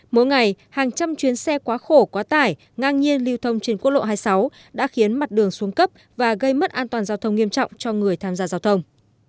mỗi ngày hàng trăm chuyến xe quá khổ quá tải ngang nhiên lưu thông trên quốc lộ hai mươi sáu đã khiến mặt đường xuống cấp và gây mất an toàn giao thông nghiêm trọng cho người tham gia giao thông